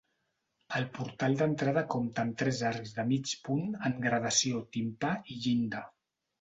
El portal d'entrada compta amb tres arcs de mig punt en gradació, timpà i llinda.